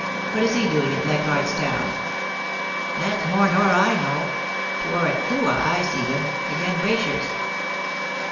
What is he doing at Leichardt's Town?* * That's more nor I know. 'Twur at Kooya I seed him — agen Braysher's.